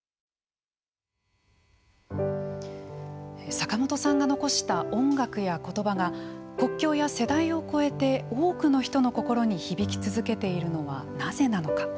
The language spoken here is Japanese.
坂本さんが残した音楽や言葉が国境や世代を越えて多くの人の心に響き続けているのはなぜなのか。